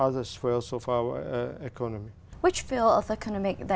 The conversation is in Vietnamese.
tuyệt vời chắc chắn